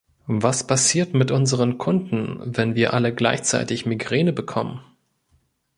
Was passiert mit unseren Kunden, wenn wir alle gleichzeitig Migräne bekommen?